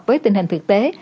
với tình hình thực tế